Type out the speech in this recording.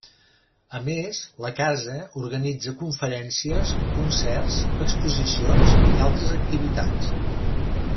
A més, la Casa organitza conferències, concerts, exposicions i altres activitats.